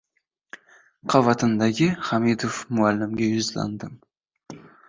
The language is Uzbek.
Qabatimdagi Hamidov muallimga yuzlandim.